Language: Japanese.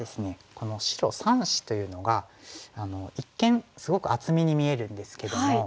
この白３子というのが一見すごく厚みに見えるんですけども。